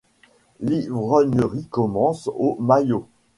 L’ivrognerie commence au maillot.